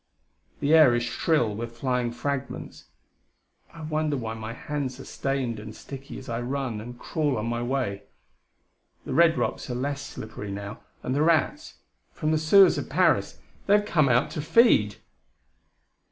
The air is shrill with flying fragments. I wonder why my hands are stained and sticky as I run and crawl on my way. The red rocks are less slippery now, and the rats, from the sewers of Paris! they have come out to feed!